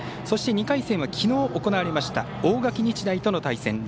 そして、２回戦はきのう、行われました大垣日大との対戦。